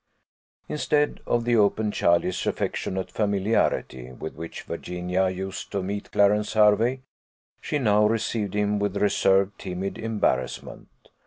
Instead of the open, childish, affectionate familiarity with which Virginia used to meet Clarence Hervey, she now received him with reserved, timid embarrassment.